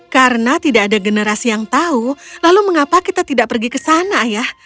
karena tidak ada generasi yang tahu lalu mengapa kita tidak pergi ke sana ayah